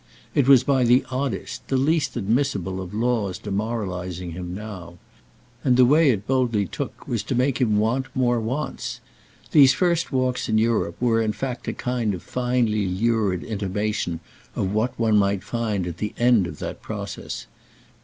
It was by the oddest, the least admissible of laws demoralising him now; and the way it boldly took was to make him want more wants. These first walks in Europe were in fact a kind of finely lurid intimation of what one might find at the end of that process.